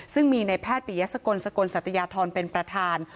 ซึ่งมีในแพทย์ปียสกลสกลสัตยาธรเป็นประธาน